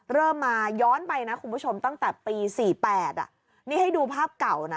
เริ่มมาย้อนไปนะคุณผู้ชมตั้งแต่ปี๔๘นี่ให้ดูภาพเก่านะ